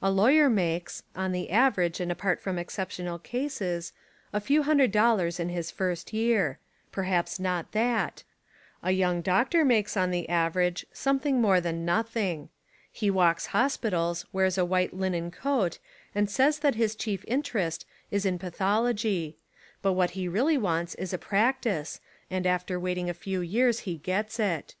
A lawyer makes (on the average and apart from exceptional cases) a few hundred dollars in his first year: perhaps not that; a young doctor makes on the average, something more than nothing; he walks hospitals, wears a white linen coat and says that his chief interest is in pa thology; but what he really wants is a practice and after waiting a few years he gets it.